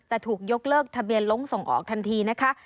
จะถูกยกเลิกทะเบียนล้งส่งออกทันทีนะคะ